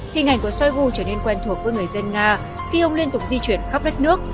hình ảnh của shoigu trở nên quen thuộc với người dân nga khi ông liên tục di chuyển khắp đất nước